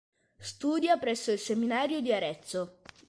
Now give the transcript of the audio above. Studia presso il seminario di Arezzo.